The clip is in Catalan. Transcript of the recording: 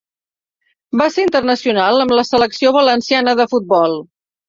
Va ser internacional amb la selecció valenciana de futbol.